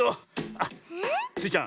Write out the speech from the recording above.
あっ！スイちゃん。